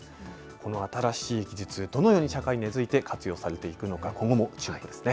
この新しい技術、どのように社会に根づいて活用されていくのか、今後も注目ですね。